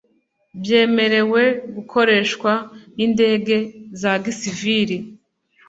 Byemerewe Gukoreshwa N Indege Za Gisiviri